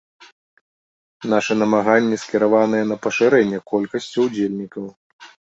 Нашы намаганні скіраваныя на пашырэнне колькасці ўдзельнікаў.